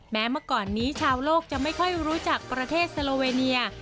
แม้เมื่อก่อนนี้ชาวโลกจะไม่ค่อยรู้จักประเทศสโลเวเนีย